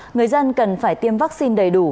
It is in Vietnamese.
người dân cần phải tiêm vaccine đầy đủ